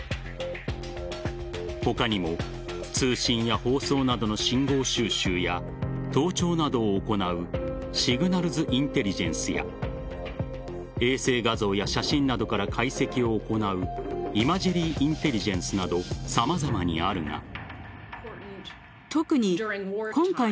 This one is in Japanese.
他にも通信や放送などの信号収集や盗聴などを行うシグナルズ・インテリジェンスや衛星画像や写真などから解析を行うイマジェリー・インテリジェンスなど様々にあるが。